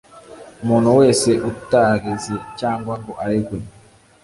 umuntu wese utareze cyangwa ngo aregwe